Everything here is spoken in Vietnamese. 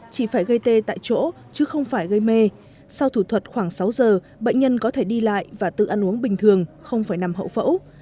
chỉ phải gây tê tại chỗ chứ không phải gây mê sau thủ thuật khoảng sáu giờ bệnh nhân có thể đi lại và tự ăn uống bình thường không phải nằm hậu phẫu